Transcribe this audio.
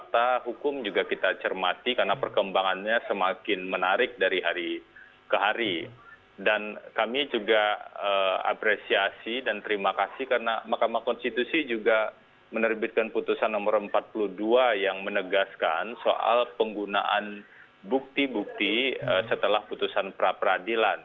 terima kasih dan terima kasih karena mahkamah konstitusi juga menerbitkan putusan nomor empat puluh dua yang menegaskan soal penggunaan bukti bukti setelah putusan pra peradilan